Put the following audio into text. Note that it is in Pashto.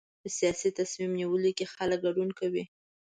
په سیاسي تصمیم نیولو کې خلک ګډون کوي.